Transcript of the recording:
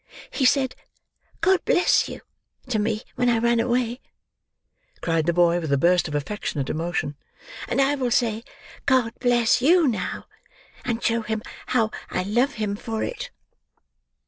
He said 'God bless you' to me when I ran away," cried the boy with a burst of affectionate emotion; "and I will say 'God bless you' now, and show him how I love him for it!"